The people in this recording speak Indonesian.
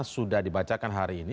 sudah dibacakan hari ini